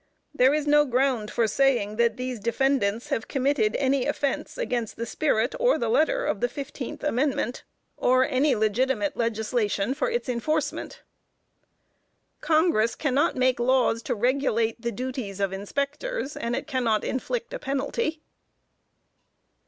There is no ground for saying that these defendants have committed any offense against the spirit or the letter of the fifteenth amendment, or any legitimate legislation for its enforcement. Congress cannot make laws to regulate the duties of Inspectors, and it cannot inflict a penalty.